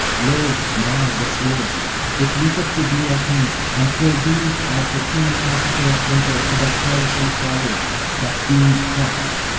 Lo, now, the Sword! it leapeth to be at him, and 'twill be as the keen icicle of winter to that perishing foliage, that doomed crop!